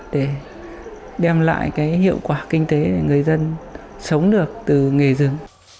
để đem lại cái hiệu quả kinh tế để người dân sống được từ nghề rừng